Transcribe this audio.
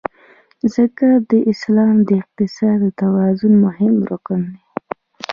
زکات د اسلام د اقتصاد د توازن مهم رکن دی.